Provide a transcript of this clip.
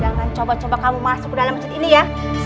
jangan coba coba kamu masuk ke dalam masjid ini ya